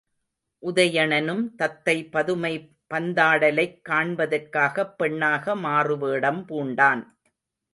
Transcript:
உதயணனும் தத்தை பதுமை பந்தாடலைக் காண்பதற்காகப் பெண்ணாக மாறுவேடம் பூண்டான்.